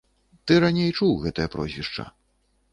Ты раней чуў гэтае прозвішча.